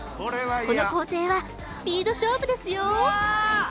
この工程はスピード勝負ですよ